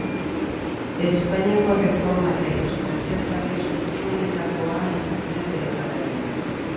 Espainiako erreforma eta ilustrazio zale sutsuenetakoa izan zen bere garaian.